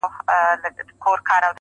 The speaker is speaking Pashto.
له مړاني څخه خلاص قام د کارګانو٫